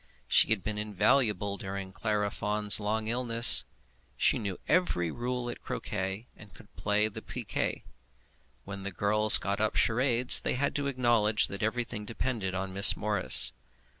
She had been invaluable during Clara Fawn's long illness. She knew every rule at croquet, and could play piquet. When the girls got up charades they had to acknowledge that everything depended on Miss Morris.